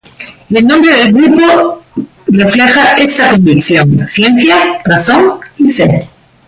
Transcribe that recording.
El nombre del grupo refleja esta convicción: ciencia, razón y fe.